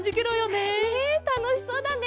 ねえたのしそうだね。